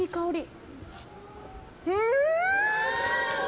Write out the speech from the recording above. うん！